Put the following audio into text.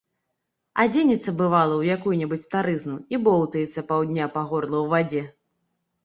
Адзенецца, бывала, у якую-небудзь старызну і боўтаецца паўдня па горла ў вадзе.